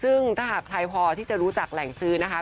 ซึ่งถ้าหากใครพอที่จะรู้จักแหล่งซื้อนะคะ